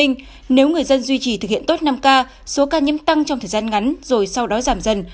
nếu người dân duy trì thực hiện tốt năm k số ca nhiễm tăng trong thời gian ngắn rồi sau đó giảm dần